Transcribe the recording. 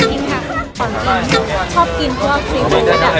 ของกินชอบกินพวกซีฟู้ด